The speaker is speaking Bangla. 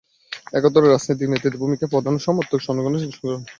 একাত্তরে রাজনৈতিক নেতৃত্বের ভূমিকাই প্রধান এবং তাদের সমর্থক জনগণের অংশগ্রহণই আসল জিনিস।